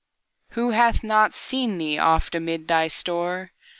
Who hath not seen thee oft amid thy store?